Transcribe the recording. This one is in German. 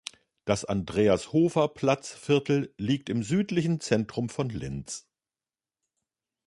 Das Andreas-Hofer-Platzviertel liegt im südlichen Zentrum von Linz.